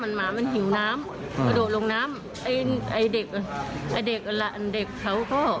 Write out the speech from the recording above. มันหมามันหิงน้ำก็โดดลงน้ำไอเด็กไอเด็กเด็กเขาก็